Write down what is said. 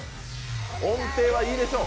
音程はいいでしょう！